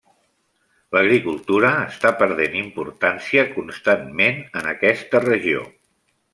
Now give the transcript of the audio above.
L'agricultura està perdent importància constantment en aquesta regió.